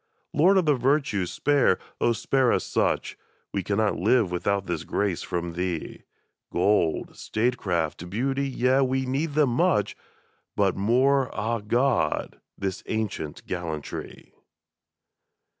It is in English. Lord of the virtues, spare, spare us such ! We cannot live without this grace from thee ; Gold, statecraft, beauty — ^yea, we need them much, But more — ^ah, God! — ^this ancient gallantry!